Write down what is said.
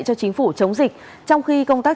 cho chính phủ chống dịch trong khi công tác